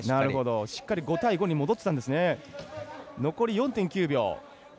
しっかり５対５に戻っていたんですね。